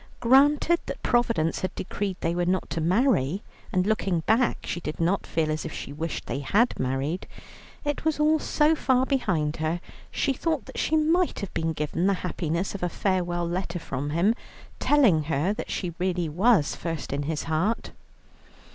Granted that Providence had decreed they were not to marry, and looking back she did not feel as if she wished they had married, it was all so far behind her, she thought that she might have been given the happiness of a farewell letter from him, telling her that she really was first in his heart.